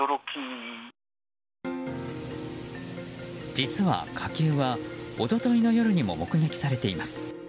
実は、火球は一昨日の夜にも目撃されています。